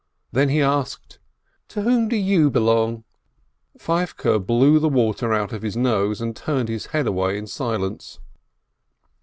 Then he asked : "To whom do you belong ?" Feivke blew the water out of his nose, and turned his head away in silence.